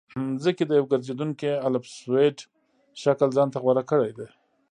ځمکې د یو ګرځېدونکي الپسویډ شکل ځان ته غوره کړی دی